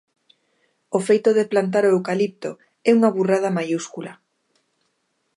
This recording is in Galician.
O feito de plantar o eucalipto é unha burrada maiúscula.